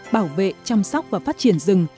bảo vệ chăm sóc và phát triển rừng